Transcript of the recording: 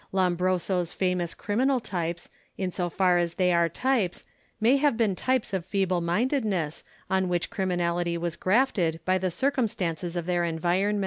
Lombroso's famous criminal types, in so far as they were types, may have been types of feeble mindedness on which criminality was grafted by the circumstances of their environment.